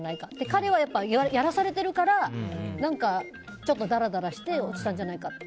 彼はやらされてるからだらだらして落ちたんじゃないかって。